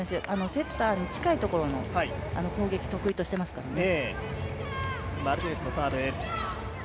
セッターに近いところの攻撃得意としてますからね。